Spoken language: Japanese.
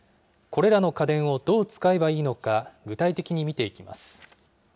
これらの家電をどう使えばいいのか、具体的に見ていきます。